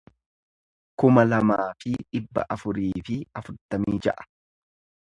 kuma lamaa fi dhibba afurii fi afurtamii ja'a